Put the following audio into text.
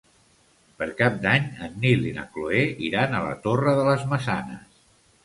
Per Cap d'Any en Nil i na Cloè iran a la Torre de les Maçanes.